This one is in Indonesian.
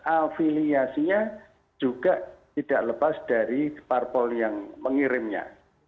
afiliasinya juga tidak lepas dari parpol yang mengirimnya